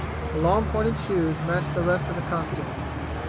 The long pointed shoes matched the rest of the costume.